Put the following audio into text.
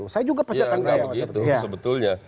saya juga pasti akan kaya sama seperti itu